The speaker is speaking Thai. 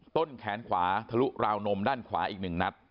ต้นแขนขวาทะลุราวนมด้านขวาอีก๑นัด